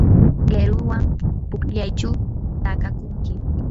qiruwan pukllaychu takakunkim.